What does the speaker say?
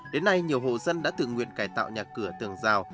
đến nay nhiều hộ dân đã tự nguyện cải tạo nhà cửa tường rào